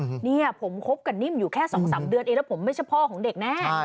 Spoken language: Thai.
นี่ผมคบกักนิ่มแค่๒๓เดือนเลยผมไม่ใช่พ่อของเด็กแน่